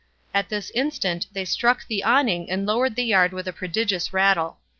At this instant they struck the awning and lowered the yard with a prodigious rattle.